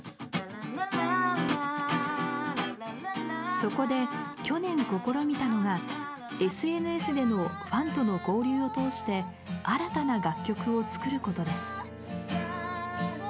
そこで去年試みたのがＳＮＳでのファンとの交流を通して新たな楽曲を作ることです。